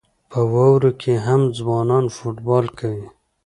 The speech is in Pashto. په واورو کې هم ځوانان فوټبال کوي.